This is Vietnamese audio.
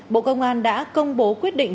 bộ công an đã công bố quyết định